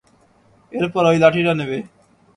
এরপর, ঐ লাঠিটা নেবে।